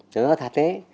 chứ nó thật thế